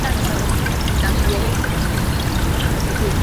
na kusabisha zaidi ya watu mia tano kupoteza maisha